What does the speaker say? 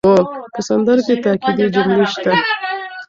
په سندره کې تاکېدي جملې شته.